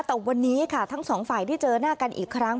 แต่วันนี้ค่ะทั้งสองฝ่ายได้เจอหน้ากันอีกครั้ง